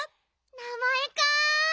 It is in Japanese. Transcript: なまえか。